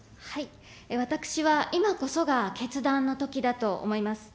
私は今こそが決断の時だと思います。